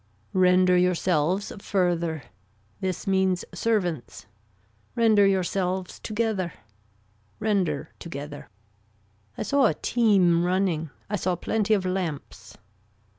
Render yourselves further. This means servants. Render yourselves together. Render together. I saw a team running. I saw plenty of lamps.